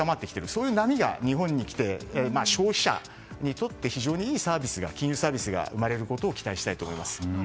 そういう人気が日本に来て消費者にとって非常にいい金融サービスが生まれることを期待したいです。